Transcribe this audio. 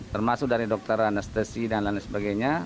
termasuk dari dokter anestesi dan lain sebagainya